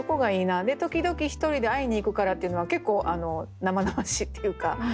で「時々ひとりで会いに行くから」っていうのは結構生々しいっていうかね。